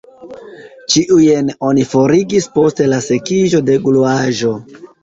Ĉiujn oni forigis post la sekiĝo de gluaĵo.